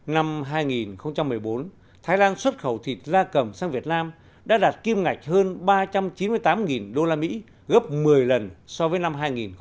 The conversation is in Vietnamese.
năm hai nghìn một mươi bốn thái lan xuất khẩu thịt da cầm sang việt nam đã đạt kim ngạch hơn ba trăm chín mươi tám usd gấp một mươi lần so với năm hai nghìn một mươi bảy